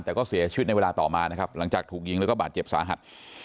แต่ก็เสียชีวิตในเวลาต่อมานะครับหลังจากถูกยิงแล้วก็บาดเจ็บสาหัส